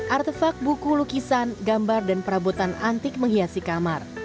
artefak buku lukisan gambar dan perabotan antik menghiasi kamar